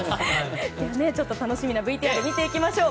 楽しみなＶＴＲを見ていきましょう。